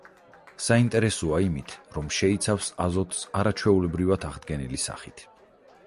საინტერესოა იმით, რომ შეიცავს აზოტს არაჩვეულებრივად აღდგენილი სახით.